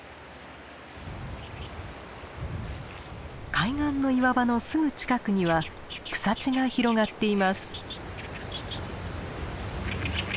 海岸の岩場のすぐ近くには草地が広がっています。